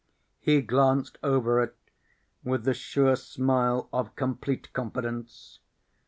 He glanced over it with the sure smile of complete confidence.